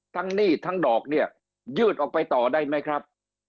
หนี้ทั้งดอกเนี่ยยืดออกไปต่อได้ไหมครับ